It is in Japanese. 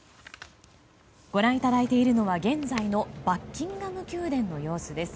ご覧いただいているのは、現在のバッキンガム宮殿の様子です。